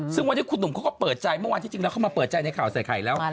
ซึ่งวันนี้คุณหนุ่มเขาก็เปิดใจเมื่อวานที่จริงแล้วเข้ามาเปิดใจในข่าวใส่ไข่แล้ว